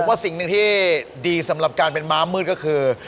ว่าสิ่งหนึ่งที่ดีสำหรับการเป็นม้ามืดก็คือ